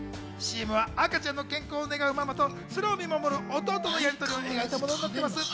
ＣＭは赤ちゃんの健康を願うママとそれを見守る弟のやりとりを描いたものです。